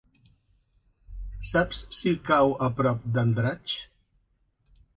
Saps si cau a prop d'Andratx?